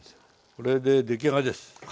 これで出来上がりです！